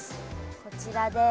こちらです。